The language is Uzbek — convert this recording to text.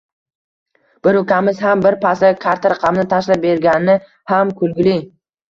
Bir ukamiz ham bir pasda karta raqamini tashlab bergani ham kulgili.